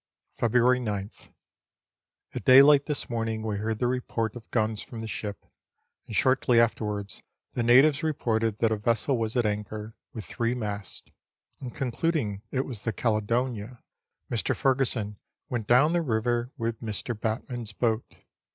February 9th. At daylight this morning we heard the report of guns from the ship, and shortly afterwards the natives reported that a vessel was at anchor, with three masts ; and, concluding it was the Caledonia, Mr. Furgesson went down the river with Mr. Batman's boat.